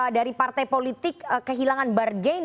dari partai politik kehilangan bargain